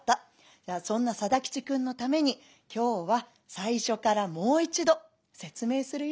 じゃあそんな定吉くんのために今日は最初からもう一度説明するよ。